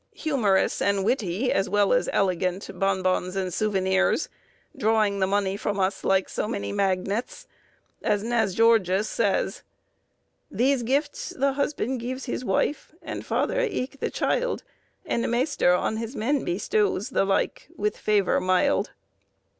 Humorous and witty, as well as elegant, bon bons and souvenirs, drawing the money from us like so many magnets; as Nasgeorgus says— "These giftes the husband gives his wife, And father eke the childe, And maister on his men bestowes The like, with favour milde."